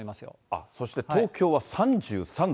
あっ、そして東京は３３度。